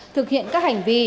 thực hiện các hành vi